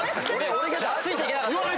俺がついていけなかった。